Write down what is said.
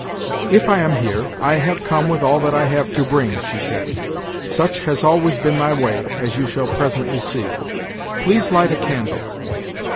_" "If I am here, I have come with all that I have to bring," she said. "Such has always been my way, as you shall presently see. Please light a candle."